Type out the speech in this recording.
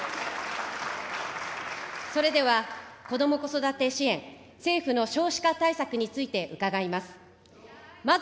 それではこども・子育て支援、政府の少子化対策について伺います。